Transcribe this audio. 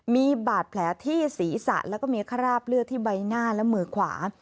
มีบาดแผลที่ศีรษะแล้วก็มีคราบเลือดที่ใบหน้าและมือขวา